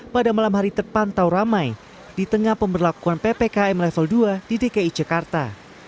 pada malam hari terpantau ramai di tengah pemberlakuan ppkm level dua di dki jakarta